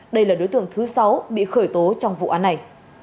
đây là đối tượng thứ sáu bị khởi tố trong vụ án này